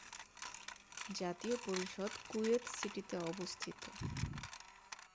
জাতীয় পরিষদ কুয়েত সিটিতে অবস্থিত।